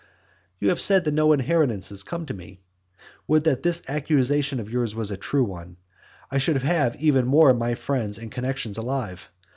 You have said that no inheritances come to me. Would that this accusation of yours were a true one; I should have more of my friends and connexions alive.